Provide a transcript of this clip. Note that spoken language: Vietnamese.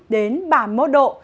đến ba mươi một độ